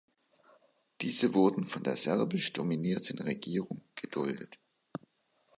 Diese wurden von der serbisch dominierten Regierung geduldet.